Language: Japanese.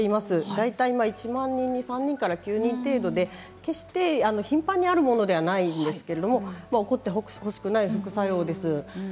大体１万人に３人から９人程度で決して頻繁にあるものではないんですけれど起こってほしくない副作用です。